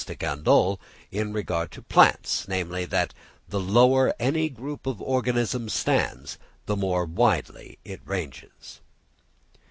de Candolle in regard to plants, namely, that the lower any group of organisms stands the more widely it ranges.